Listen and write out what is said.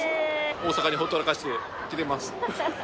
大阪にほったらかしてきております。